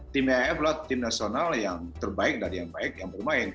tim if adalah tim nasional yang terbaik dari yang baik yang bermain